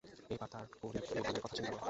এইবার তাঁর পরিনির্বাণের কথা চিন্তা কর।